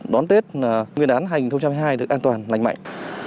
đón tết nguyên đán hai nghìn hai mươi hai được an toàn lành mạnh